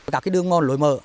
các cái đường ngon lối mờ